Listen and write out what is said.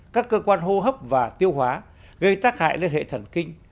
các cơ quan hô hấp và tiêu hóa gây tác hại lên hệ thần kinh